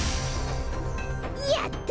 やった！